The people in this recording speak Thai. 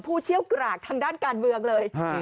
เชี่ยวกรากทางด้านการเมืองเลย